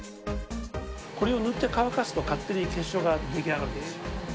これを塗って乾かすと勝手に結晶が出来上がるんです。